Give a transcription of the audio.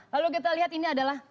lalu kita lihat ini adalah